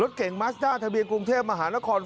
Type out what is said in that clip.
รถเก๋งมาสดับทะเบียงกรุงเทพมหานคร